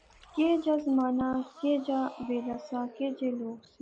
کیا جا زمانہ سا، کیا جا ویلا سا، کے جے لوک سے